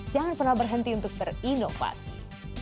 jangan pernah berhenti untuk berinovasi